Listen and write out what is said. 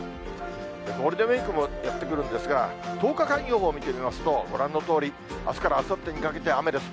ゴールデンウィークもやって来るんですが、１０日間予報を見てみますと、ご覧のとおり、あすからあさってにかけて雨です。